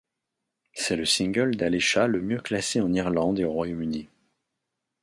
C'est le single d'Alesha le mieux classé en Irlande et au Royaume-Uni.